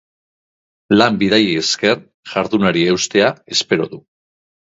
Lan-bidaiei esker, jardunari eustea espero du.